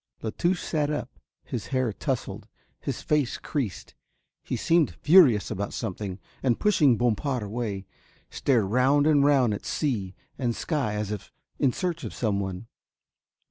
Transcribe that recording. La Touche sat up, his hair towsled, his face creased, he seemed furious about something and pushing Bompard away stared round and round at sea and sky as if in search of someone.